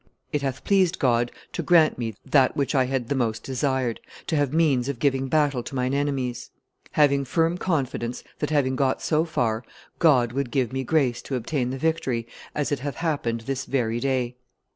"It hath pleased God to grant me that which I had the most desired, to have means of giving battle to mine enemies; having firm confidence that, having got so far, God would give me grace to obtain the victory, as it hath happened this very day.